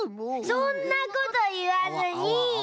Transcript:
そんなこといわずに。